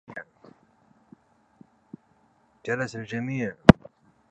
جلس الجميع.